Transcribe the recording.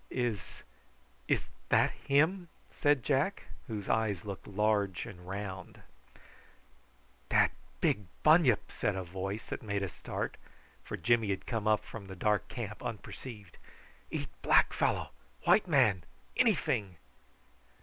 "Is is that him?" said Jack, whose eyes looked round and large. "Dat big bunyip," said a voice that made us start, for Jimmy had come up from the dark camp unperceived. "Eat black fellow, white man, anyfing."